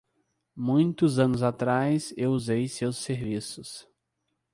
Muitos anos atrás eu usei seus serviços.